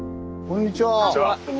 こんにちは。